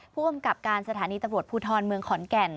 ผู้กำกับการสถานีตำรวจภูทรเมืองขอนแก่น